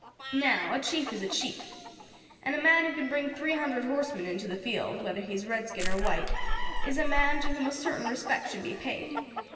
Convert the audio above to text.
"Now, a chief is a chief, and a man who can bring three hundred horsemen into the field, whether he is redskin or white, is a man to whom a certain respect should be paid.